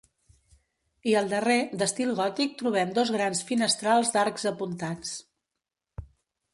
I al darrer, d'estil gòtic trobem dos grans finestrals d'arcs apuntats.